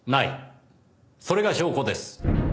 それが証拠です。